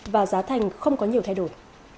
và giá thành không có nhiều thay đổi